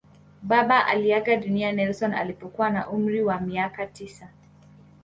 Baba aliaga dunia Nelson alipokuwa na umri wa miaka tisa.